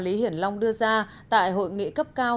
lý hiển long đưa ra tại hội nghị cấp cao